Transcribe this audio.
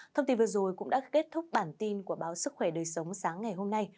thông tin vừa rồi cũng đã kết thúc bản tin của báo sức khỏe đời sống sáng ngày hôm nay